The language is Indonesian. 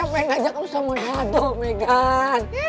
wajah gajah ngus sociedad